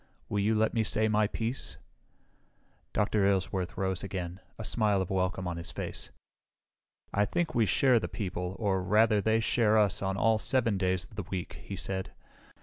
Will you let me say my piece?" Dr. Aylesworth rose again, a smile of welcome on his face. "I think we share the people, or, rather, they share us on all 7 days of the week," he said.